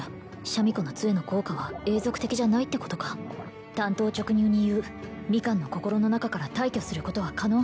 シャミ子の杖の効果は永続的じゃないってことか単刀直入に言うミカンの心の中から退去することは可能？